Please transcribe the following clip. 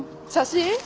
写真？